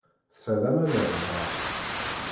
Tesɛiḍ amalal, naɣ?